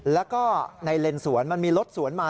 แล้วก็ในเลนสวนมันมีรถสวนมา